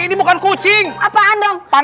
ih hijahannu kan